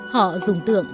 họ dùng tượng